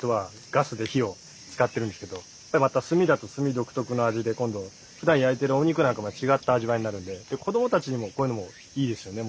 ガスで火を使ってるんですけどまた炭だと炭独特の味で今度ふだん焼いてるお肉なんかも違った味わいになるんで子どもたちにもこういうのもいいですよね